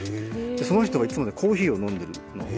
その人がいつもコーヒーを飲んでるの。